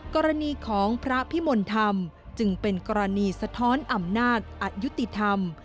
กรณีของพระพิมลธรรมจึงเป็นกรณีสะท้อนอำนาจอายุติธรรม